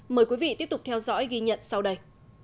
mời quý vị tiếp tục theo dõi ghi nhận sau đây